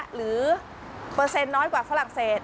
หรือเปอร์เซ็นต์น้อยกว่าฝรั่งเศส